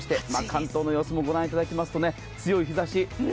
関東の様子をご覧いただきますと強い日差し。